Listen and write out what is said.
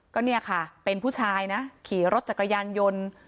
ก็เนี่ยค่ะเป็นผู้ชายนะขี่รถจักรยานยนต์